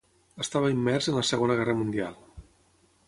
Estava immers en la Segona Guerra Mundial.